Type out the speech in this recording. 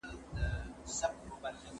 زه موټر کارولی دی